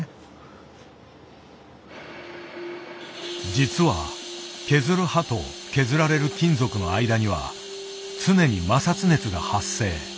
実は削る刃と削られる金属の間には常に摩擦熱が発生。